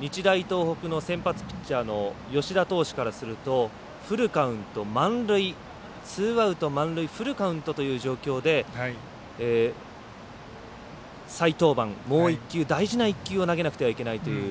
日大東北の先発ピッチャーの吉田投手からするとフルカウント、満塁ツーアウト、満塁フルカウントという状況で再登板、もう１球、大事な１球を投げなくてはいけないという。